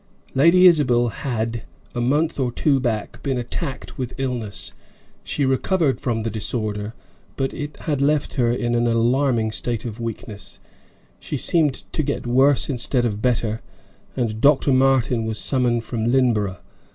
Lady Isabel had, a month or two back, been attacked with illness; she recovered from the disorder; but it had left her in an alarming state of weakness; she seemed to get worse instead of better, and Dr. Martin was summoned from Lynneborough.